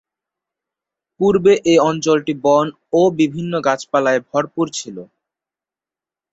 পূর্বে এ অঞ্চলটি বন ও বিভিন্ন গাছ-পালায় ভরপুর ছিলো।